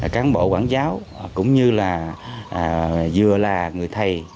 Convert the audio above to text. cán bộ quản giáo cũng như là vừa là người thầy